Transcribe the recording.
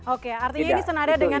oke artinya ini senada dengan